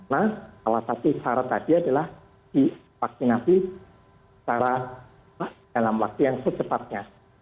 nah salah satu syarat tadi adalah divaksinasi secara dalam waktu yang secepatnya